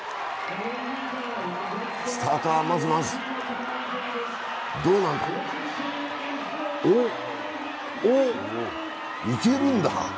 スタートはまずまず、どうなんだ、いけるんだ。